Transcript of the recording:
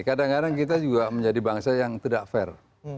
kadang kadang kita juga menjadi bangsa yang tidak fair